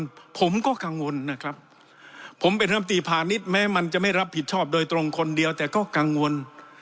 คนกังวลผมก็กังวลนะครับผมเป็นเริ่มตีผ่านนิดแม้มันจะไม่รับผิดชอบโดยตรงคนเดียวแต่ก็กังวล